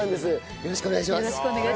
よろしくお願いします。